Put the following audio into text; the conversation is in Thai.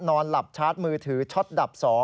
นอนหลับชาร์จมือถือช็อตดับ๒